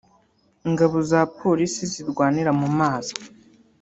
Ingabo na Polisi zirwanira mu mazi